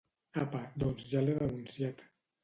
Apa, doncs ja l'he denunciat